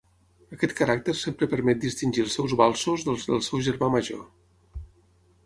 Aquest caràcter sempre permet distingir els seus valsos dels del seu germà major.